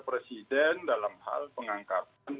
presiden dalam hal pengangkatan